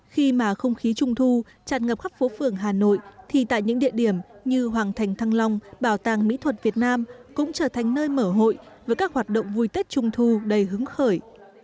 khi mà không khí trung thu tràn ngập khắp phố phường hà nội thì tại những địa điểm như hoàng thành thăng long bảo tàng mỹ thuật việt nam cũng trở thành nơi mở hội với các hoạt động vui tết trung thu đầy hứng khởi